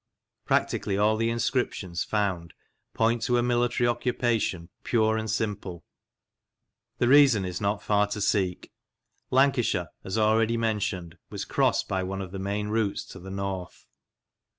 Practically all the inscriptions found point to a military occupation pure and simple. The reason is not far to seek. Lancashire, as already mentioned, was crossed by one of the main routes to the north.